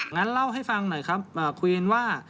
งั้นเล่าให้ฟังหน่อยครับคุยกันว่า